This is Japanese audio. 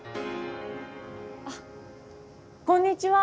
あっこんにちは。